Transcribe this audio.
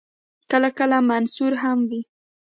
کله کله منثور هم وي.